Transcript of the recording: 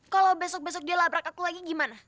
kalau besok besok dia labrak aku lagi gimana